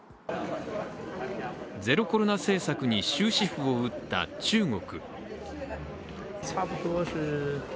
ゼロコロナ政策に終止符を打った中国。